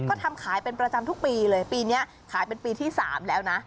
ก็ทำขายเป็นประจำทุกปีเลยปีนี้ขายเป็นปีที่๓แล้วนะ